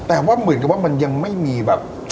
แต่ว่าเหมือนกับว่ามันยังไม่มีแบบ